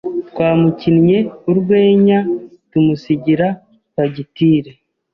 Twamukinnye urwenya tumusigira fagitire.